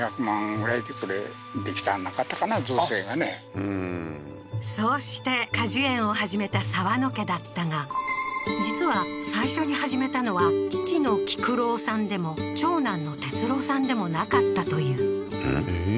ふーんそうして果樹園を始めた澤野家だったが実は最初に始めたのは父の喜久郎さんでも長男の哲郎さんでもなかったといううん？